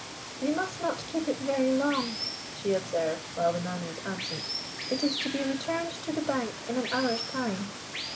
"We must not keep it very long," she observed while the man was absent. "It is to be returned to the bank in an hour's time."